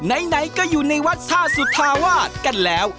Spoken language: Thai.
ไหนก็อยู่ในวัดท่าสุธาวาสกันแล้ว